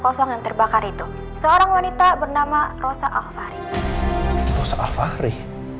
kosong yang terbakar itu seorang wanita bernama rosa alvari